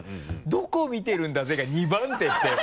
「どこ見てるんだぜぇ」が２番手って。